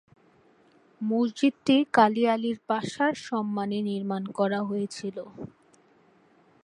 মসজিদটি কালী আলী পাশার সম্মানে নির্মাণ করা হয়েছিল।